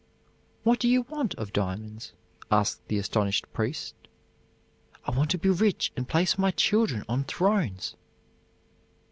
"What do you want of diamonds?" asked the astonished priest. "I want to be rich and place my children on thrones."